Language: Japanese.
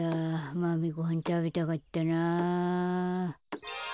マメごはんたべたかったな。